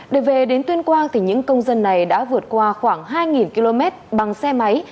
để về đến tuyên quang những công dân này đã vượt qua khoảng hai km bằng xe máy